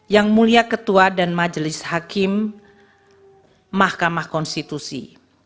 yang mulia ketua dan majelis hakim mahkamah konstitusi